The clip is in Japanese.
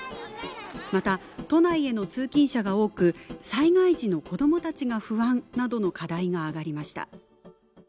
また都内への通勤者が多く災害時の子どもたちが不安などの課題が挙がりました。